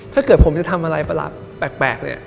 ถ้าเกิดผมจะทำอะไรประหลาดแปลกเนี่ย